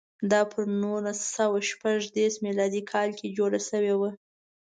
دا پر نولس سوه شپږ دېرش میلادي کال جوړه شوې وه.